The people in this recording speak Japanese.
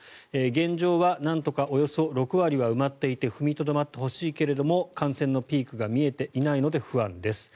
現状はなんとかおよそ６割は埋まっていて踏みとどまってほしいけども感染のピークが見えていないので不安です。